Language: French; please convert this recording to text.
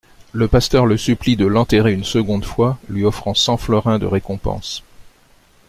Le pasteur le supplie de l'enterrer une seconde fois, lui offrant cent florins de récompense.